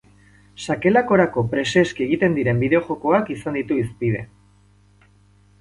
Sakelakorako preseski egiten diren bideo-jokoak izan ditu hizpide.